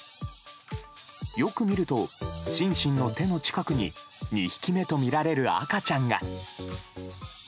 よく見るとシンシンの手の近くに２匹目とみられる赤ちゃんが。